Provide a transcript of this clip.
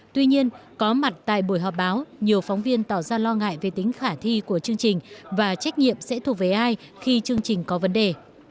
tuy nhiên có mặt tại buổi họp báo nhiều phóng viên tỏ ra lo ngại về tính khả thi của chương trình và trách nhiệm sẽ thuộc về ai khi chương trình có vấn đề